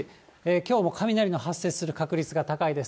きょうも雷の発生する確率が高いです。